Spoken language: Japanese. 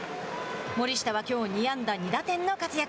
森下はきょう２安打２打点の活躍。